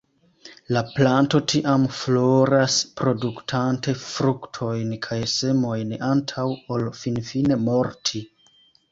La planto tiam floras, produktante fruktojn kaj semojn antaŭ ol finfine morti.